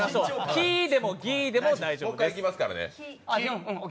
キでもギでも大丈夫です。